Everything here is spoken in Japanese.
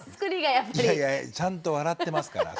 いやいやいやちゃんと笑ってますから。